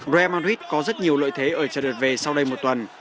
real madrid có rất nhiều lợi thế ở trận đợt về sau đây một tuần